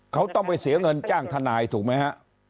เขาต้องไปเสียเงินจ้างทนายถูกไหมฮะ